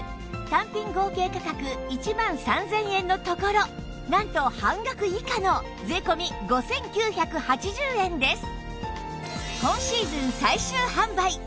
単品合計価格１万３０００円のところなんと半額以下の税込５９８０円です